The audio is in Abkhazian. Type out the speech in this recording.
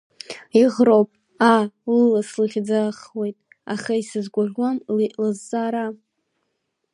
Иӷроуп, аа лыла слыхьӡахуеит, аха исзыгәаӷьуам уи лызҵаара.